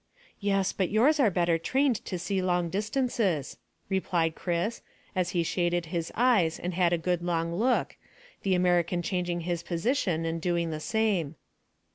"Yes, but yours are better trained to see long distances," replied Chris, as he shaded his eyes and had a good long look, the American changing his position and doing the same.